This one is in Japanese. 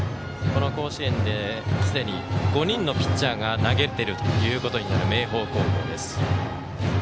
この甲子園ですでに５人のピッチャーが投げているということになる明豊高校です。